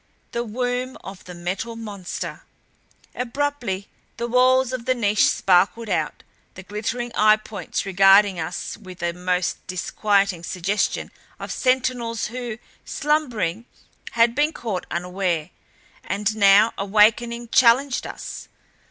The womb of the Metal Monster! Abruptly the walls of the niche sparkled out, the glittering eye points regarding us with a most disquieting suggestion of sentinels who, slumbering, had been caught unaware, and now awakening challenged us.